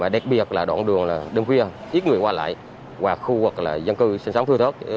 đặc biệt là đoạn đường đêm khuya ít người qua lại hoặc khu vực dân cư sinh sống thưa thớt